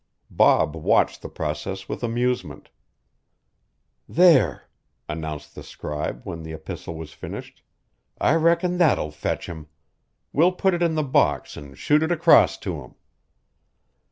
Bob watched the process with amusement. "There!" announced the scribe when the epistle was finished. "I reckon that'll fetch him. We'll put it in the box an' shoot it across to him."